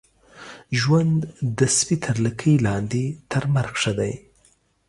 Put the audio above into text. ژوند د سپي تر لکۍ لاندي ، تر مرګ ښه دی.